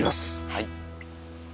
はい。